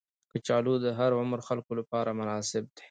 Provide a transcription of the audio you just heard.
کچالو د هر عمر خلکو لپاره مناسب دي